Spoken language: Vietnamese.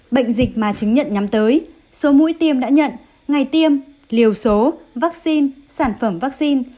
bệnh dịch mà chứng nhận nhắm tới số mũi tiêm đã nhận ngày tiêm liều số vaccine sản phẩm vaccine